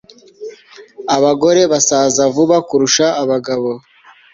Abagore basaza vuba kurusha abagabo